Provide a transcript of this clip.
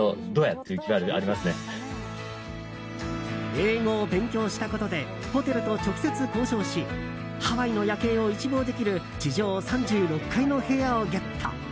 英語を勉強したことでホテルと直接交渉しハワイの夜景を一望できる地上３６階の部屋をゲット！